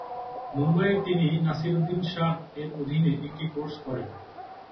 মুম্বাইয়ে তিনি নাসিরুদ্দিন শাহ এর অধীনে একটি কোর্স করেন।